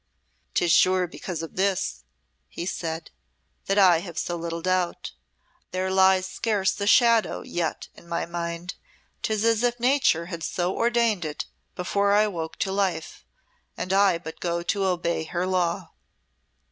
"'Tis sure because of this," he said, "that I have so little doubt. There lies scarce a shadow yet in my mind. 'Tis as if Nature had so ordained it before I woke to life, and I but go to obey her law."